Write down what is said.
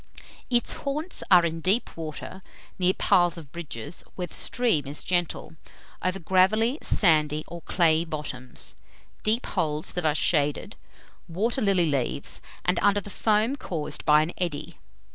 Its haunts are in deep water, near piles of bridges, where the stream is gentle, over gravelly, sandy, or clayey bottoms; deep holes that are shaded, water lily leaves, and under the foam caused by an eddy.